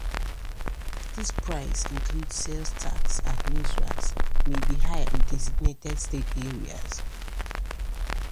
This price includes sales tax at newsracks; may be higher in designated state areas.